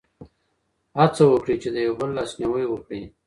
هڅه وکړئ چي د یو بل لاسنیوی وکړئ.